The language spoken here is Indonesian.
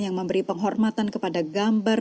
yang memberi penghormatan kepada gambar